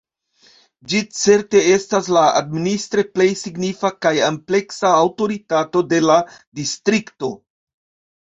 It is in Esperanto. Ĝi certe estas la administre plej signifa kaj ampleksa aŭtoritato de la distrikto.